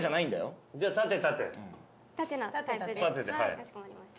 かしこまりました。